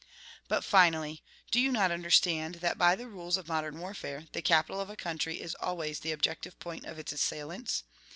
"But, finally, do you not understand that, by the rules of modern warfare, the capital of a country is always the objective point of its assailants?